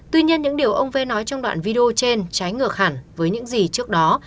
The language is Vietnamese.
tuy nhiên những điều ông ve nói trong đoạn video trên trái ngược hẳn với những gì trước đó